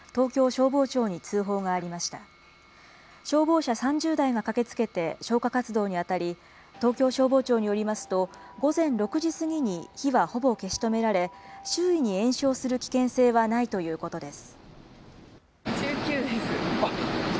消防車３０台が駆けつけて消火活動に当たり、東京消防庁によりますと、午前６時過ぎに火はほぼ消し止められ、周囲に延焼する危険性はないということです。